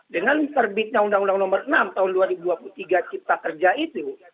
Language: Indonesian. dengan terbitnya undang undang nomor enam tahun dua ribu dua puluh tiga cipta kerja itu